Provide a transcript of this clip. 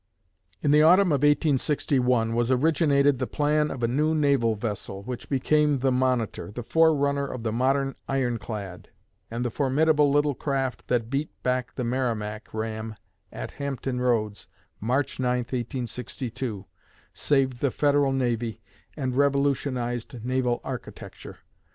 In the autumn of 1861 was originated the plan of a new naval vessel, which became the "Monitor" the forerunner of the modern iron clad, and the formidable little craft that beat back the "Merrimac" ram at Hampton Roads, March 9, 1862, saved the Federal Navy, and revolutionized naval architecture.